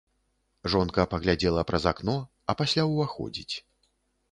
Жонка паглядзела праз акно, а пасля ўваходзіць.